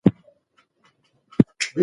لاسونه ښه ومینځه.